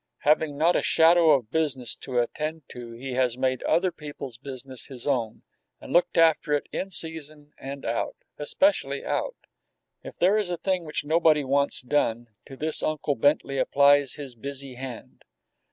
Having not a shadow of business to attend to he has made other people's business his own, and looked after it in season and out especially out. If there is a thing which nobody wants done, to this Uncle Bentley applies his busy hand.